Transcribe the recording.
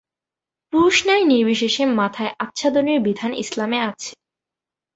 পুরুষ-নারী নির্বিশেষে মাথায় আচ্ছাদনের বিধান ইসলামে আছে।